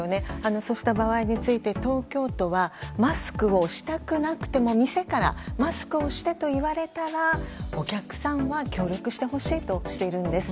そうした場合について東京都はマスクをしたくなくても店からマスクをしてと言われたらお客さんは協力してほしいとしています。